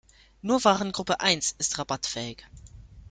Nur Warengruppe eins ist rabattfähig.